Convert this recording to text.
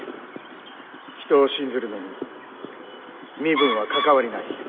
人を信ずるのに身分は関わりない。